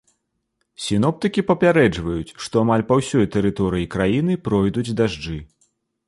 Сіноптыкі папярэджваюць, што амаль па ўсёй тэрыторыі краіны пройдуць дажджы.